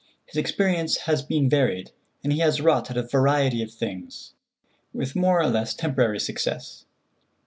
His experience has been varied, and he has wrought at a variety of things, with more or less temporary success.